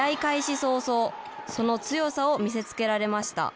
早々、その強さを見せつけられました。